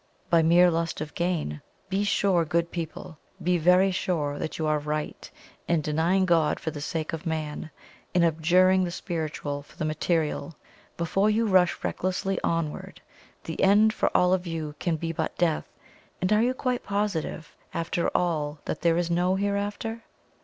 By mere lust of gain! Be sure, good people, be very sure that you are RIGHT in denying God for the sake of man in abjuring the spiritual for the material before you rush recklessly onward. The end for all of you can be but death; and are you quite positive after all that there is NO Hereafter?